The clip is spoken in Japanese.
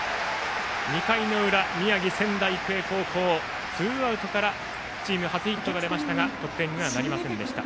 ２回の裏、宮城・仙台育英高校ツーアウトからチーム初ヒットが出ましたが得点はなりませんでした。